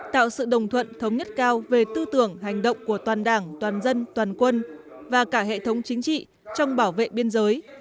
tạo sự đồng thuận thống nhất cao về tư tưởng hành động của toàn đảng toàn dân toàn quân và cả hệ thống chính trị trong bảo vệ biên giới